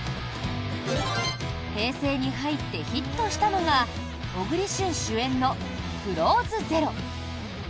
平成に入ってヒットしたのが小栗旬主演の「クローズＺＥＲＯ」。